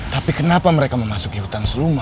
tapi kenapa mereka memasuki hutan seluma